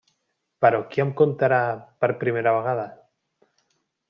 Però qui em contarà per primera vegada?